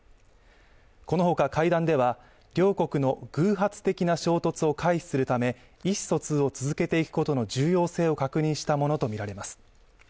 このほか会談では、両国の偶発的な衝突を回避するため意思疎通を続けていくことの重要性を確認したものとみられます。